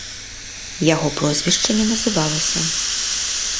Яго прозвішча не называлася.